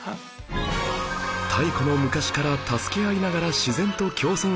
太古の昔から助け合いながら自然と共存してきた人類